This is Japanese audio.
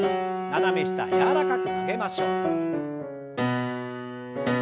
斜め下柔らかく曲げましょう。